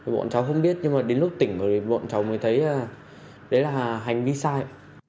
bọn cháu không biết nhưng mà đến lúc tỉnh bọn cháu mới thấy đấy là hành vi sai